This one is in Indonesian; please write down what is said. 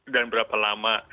dan berapa lama